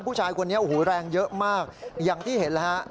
ผู้ชายคนนี้โอ้โหแรงเยอะมากอย่างที่เห็นแล้วฮะ